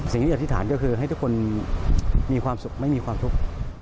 สิ่งที่อยากทิศฐานก็คือให้ทุกคนมีความสุขไม่มีความทุกข์